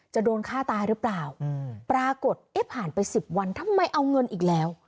จะโดนฆ่าตายหรือเปล่าปรากฏเอ๊ะผ่านไป๑๐วันทำไมเอาเงินอีกแล้ว